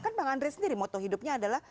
kan bang andre sendiri moto hidupnya adalah